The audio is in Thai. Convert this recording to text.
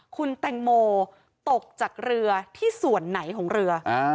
คุณแตงโมตกจากเรือที่ส่วนไหนของเรือ